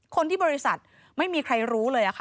คนที่บริษัทไม่มีใครรู้เลยค่ะ